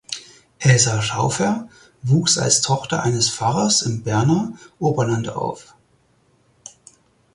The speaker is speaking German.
Elsa Stauffer wuchs als Tochter eines Pfarrers im Berner Oberland auf.